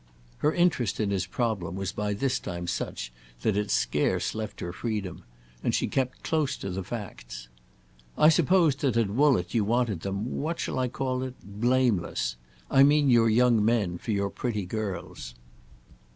Her interest in his problem was by this time such that it scarce left her freedom, and she kept close to the facts. "I supposed that at Woollett you wanted them—what shall I call it?—blameless. I mean your young men for your pretty girls."